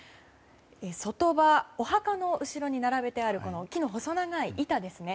卒塔婆、お墓の後ろに並べてある木の細長い板ですね。